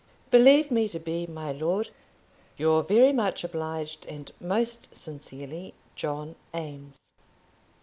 Believe me to be, my Lord, Yours very much obliged and most sincerely, JOHN EAMES.